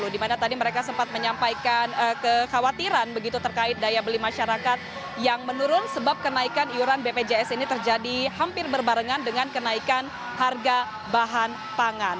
dimana tadi mereka sempat menyampaikan kekhawatiran begitu terkait daya beli masyarakat yang menurun sebab kenaikan iuran bpjs ini terjadi hampir berbarengan dengan kenaikan harga bahan pangan